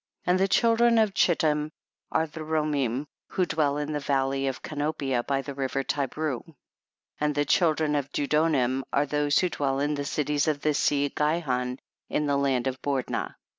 16. And the children of Chittim are the Romim who dwell in the valley of Canopia by the river Ti breu. 17. And the children of Dudonim 26 THE BOOK OF JASHER. are those who dwell in the cities of the sea Gihon in the land of Bordna.